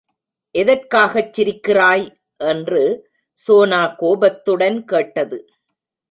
எதற்காகச் சிரிக்கிறாய்? என்று சோனா, கோபத்துடன் கேட்டது.